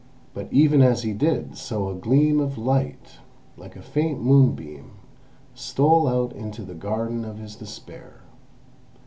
But even as he did so a gleam of light, like a faint moonbeam, stole out into the garden of his despair.